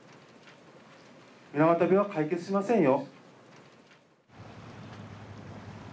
水俣病は解決しませんよ。